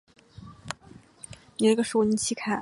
她知道堂兄在此事幕后主使。